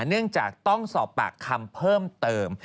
เนื่องจากต้องสอบปากคำเพิ่มเติม